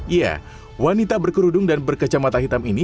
ya wanita berkerudung dan berkecamata hitam ini